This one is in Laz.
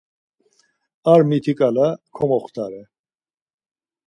Ar mitiǩala komoxtare.